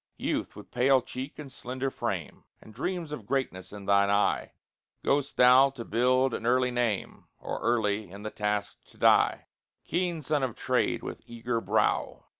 Youth, with pale cheek and slender frame, And dreams of greatness in thine eye! Go'st thou to build an early name, Or early in the task to die? Keen son of trade, with eager brow!